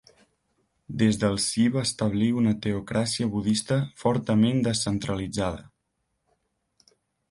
Des del s'hi va establir una teocràcia budista fortament descentralitzada.